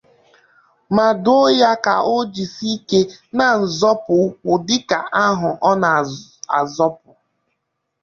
ma dụọ ya ka o jisie ike na nzọpụ ụkwụ dike ahụ ọ na-azọpụ